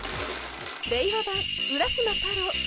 令和版『浦島太郎』